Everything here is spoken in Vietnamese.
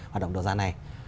hoạt động đấu giá này